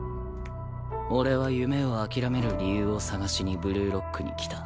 俺は夢を諦める理由を探しにブルーロックに来た。